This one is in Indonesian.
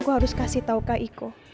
aku harus kasih tahu kak iko